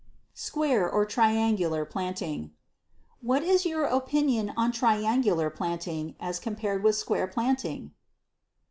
Square or Triangular Planting. What is your opinion on triangular planting as compared with square planting?